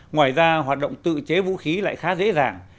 ngoài ra hoạt động tự chế vũ khí lại khá dễ dàng